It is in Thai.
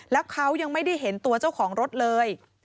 แล้วเขายังไม่ได้เห็นตัวเจ้าของรถเลย